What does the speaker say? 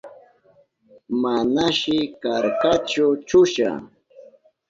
Manashi karkachu chusha.